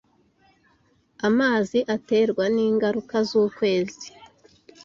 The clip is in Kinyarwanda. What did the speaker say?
Amazi aterwa ningaruka zukwezi.